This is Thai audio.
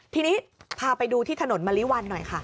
ทีนี้พาไปดูที่ถนนมะลิวันหน่อยค่ะ